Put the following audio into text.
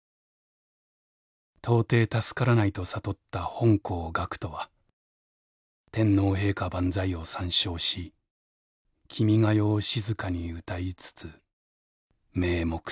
到底助からないと悟った本校学徒は天皇陛下万歳を三唱し『君が代』を静かに歌いつつめい目せり」。